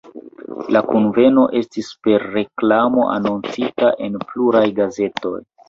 La kunveno estis per reklamo anoncita en pluraj gazetoj.